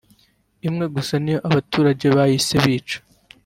imwe gusa niyo abaturage bahise bica